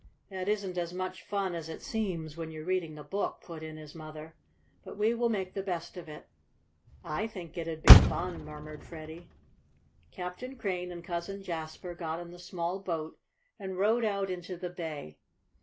"That isn't as much fun as it seems when you're reading the book," put in his mother. "But we will make the best of it." "I think it'd be fun," murmured Freddie. Captain Crane and Cousin Jasper got in the small boat and rowed out into the bay.